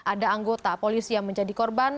ada anggota polisi yang menjadi korban